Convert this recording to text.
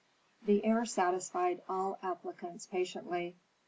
The heir satisfied all applicants patiently.